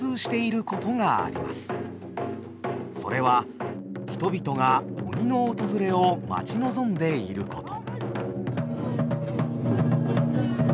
それは人々が鬼の訪れを待ち望んでいること。